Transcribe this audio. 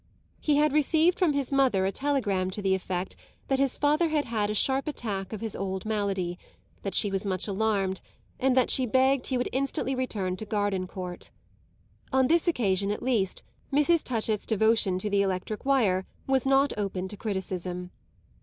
He had received from his mother a telegram to the effect that his father had had a sharp attack of his old malady, that she was much alarmed and that she begged he would instantly return to Gardencourt. On this occasion at least Mrs. Touchett's devotion to the electric wire was not open to criticism.